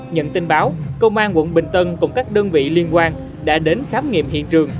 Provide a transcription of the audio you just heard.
nhận tin báo công an quận bình tân cùng các đơn vị liên quan đã đến khám nghiệm hiện trường